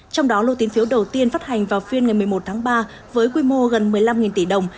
trong đó lô tín phiếu đầu tiên phát hành vào phiên ngày một mươi một tháng ba với quy mô gần một mươi năm tỷ đồng